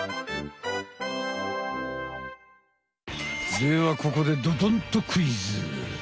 ではここでドドンとクイズ！